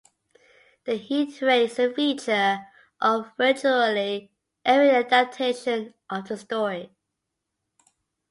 The Heat-Ray is a feature of virtually every adaptation of the story.